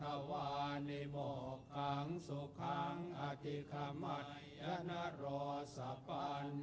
ทวานิโมขังสุขังอธิขมันยันตรา